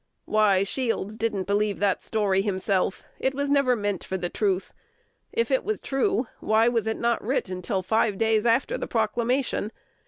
Why, Shields didn't believe that story himself: it was never meant for the truth. If it was true, why was it not writ till five days after the proclamation?